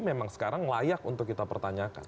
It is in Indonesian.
memang sekarang layak untuk kita pertanyakan